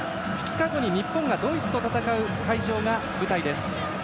２日後に日本がドイツと戦う会場が舞台です。